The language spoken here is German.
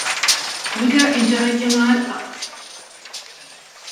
Liga interregional ab.